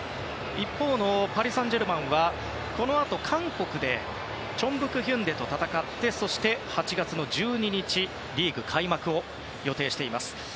一方のパリ・サンジェルマンはこのあと韓国で全北現代と戦って、そして８月１２日にリーグ開幕を予定しています。